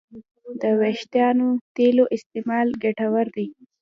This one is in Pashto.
د وېښتیانو تېلو استعمال ګټور دی.